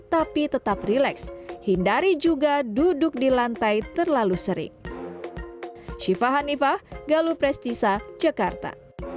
tapi tetap rileks hindari juga duduk di lantai terlalu sering syifah hanifah galuh prestisa jakarta